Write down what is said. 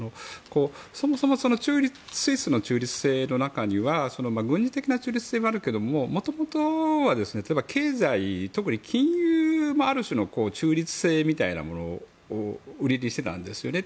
そもそもスイスの中立性の中には軍事的な中立性もあるけれどももともとは経済、特に金融もある種の中立性みたいなものを売りにしてたんですよね。